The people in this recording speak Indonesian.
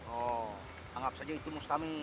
oh anggap saja itu mustami